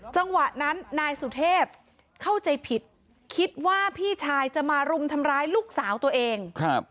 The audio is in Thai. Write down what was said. จังหวะนั้นนายสุเทพเข้าใจผิดคิดว่าพี่ชายจะมารุมทำร้ายลูกสาวตัวเอง